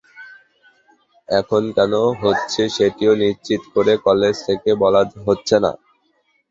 এখন কেন হচ্ছে সেটিও নিশ্চিত করে কলেজ থেকে বলা হচ্ছে না।